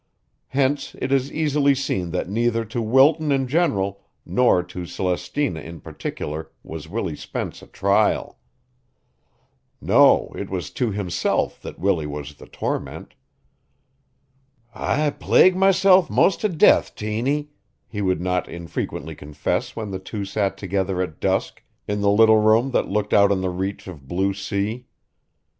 Hence it is easily seen that neither to Wilton in general nor to Celestina in particular was Willie Spence a trial. No, it was to himself that Willie was the torment. "I plague myself 'most to death, Tiny," he would not infrequently confess when the two sat together at dusk in the little room that looked out on the reach of blue sea.